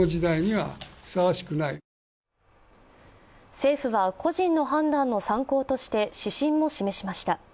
政府は個人の判断の参考として指針を示しました。